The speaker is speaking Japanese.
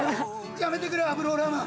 やめてくれアブローラーマン」